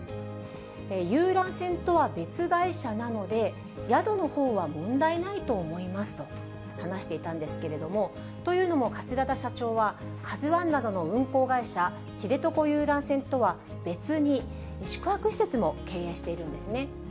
遊覧船とは別会社なので、宿のほうは問題ないと思いますと話していたんですけれども、というのも、桂田社長は、カズワンなどの運航会社、知床遊覧船とは別に、宿泊施設も経営しているんですね。